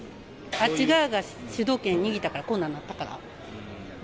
あっち側が主導権握ったからこんなんなったから。